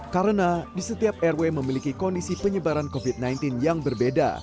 karena di setiap rw memiliki kondisi penyebaran covid sembilan belas yang berbeda